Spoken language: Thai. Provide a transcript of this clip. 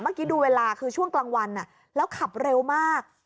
ดูเวลาคือช่วงกลางวันแล้วขับเร็วมาก